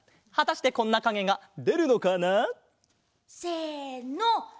はたしてこんなかげがでるのかな？せの！